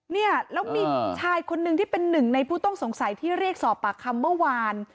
เนี่ยแล้วมีชายคนนึงที่เป็นหนึ่งในผู้ต้องสงสัยที่เรียกสอบปากคำเมื่อวาน